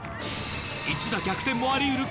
一打逆転もあり得る